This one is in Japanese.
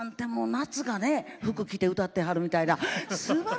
夏がね服着て歌ってはるみたいなすばらしい。